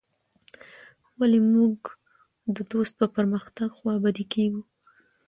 ولي موږ د دوست په پرمختګ خوابدي کيږو.